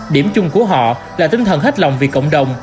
điểm chung của họ là tinh thần hết lòng vì cộng đồng